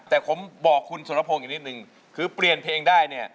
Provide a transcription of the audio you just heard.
แต่ผมบอกคุณสรพงศ์อีกนิดนึงคือเปลี่ยนเพลงได้เนี่ย